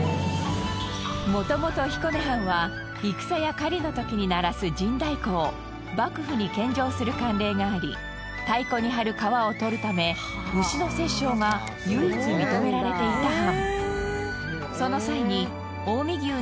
もともと彦根藩は戦や狩りの時に鳴らす陣太鼓を幕府に献上する慣例があり太鼓に張る革を取るため牛の殺生が唯一認められていた藩。